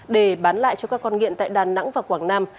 để bán lại cho các con nghiện tại đà nẵng và quảng nam